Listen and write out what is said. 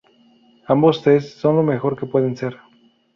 Ambos tests son lo mejor que pueden ser.